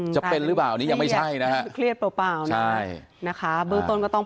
จะเป็นหรือเปล่านี้ยังไม่ใช่นะคะเครียดเพราะเปล่านะคะต้อง